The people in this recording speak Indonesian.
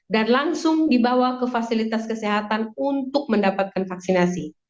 dan langsung dibawa ke fasilitas kesehatan untuk mendapatkan vaksinasi